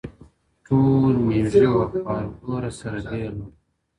• ټول مېږي وه خو هر ګوره سره بېل وه,